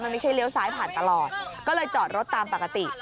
มันไม่ใช่เลี้ยวซ้ายผ่านตลอดก็เลยจอดรถตามปกติ